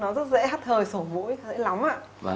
như người ta biết nó rất dễ hắt hơi sổ mũi dễ lắm ạ